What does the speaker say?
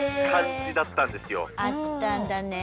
あったんだねえ